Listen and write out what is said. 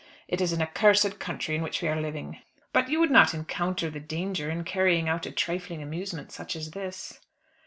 It is an accursed country in which we are living." "But you would not encounter the danger in carrying out a trifling amusement such as this?"